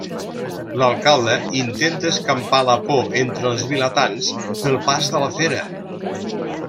L'alcalde intenta escampar la por entre els vilatans pel pas de la fera.